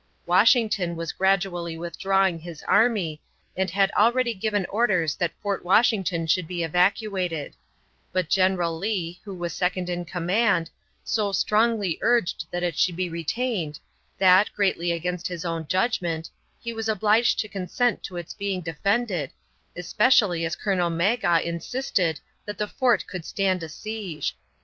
Washington was gradually withdrawing his army, and had already given orders that Fort Washington should be evacuated; but General Lee, who was second in command, so strongly urged that it should be retained that, greatly against his own judgment, he was obliged to consent to its being defended, especially as Colonel Magaw insisted that the fort could stand a siege.